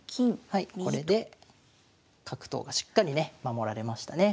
はいこれで角頭がしっかりね守られましたね。